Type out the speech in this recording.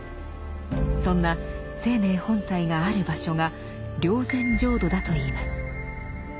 そんな「生命本体」がある場所が「霊山浄土」だといいます。